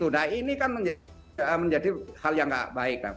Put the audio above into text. nah ini kan menjadi hal yang tidak baik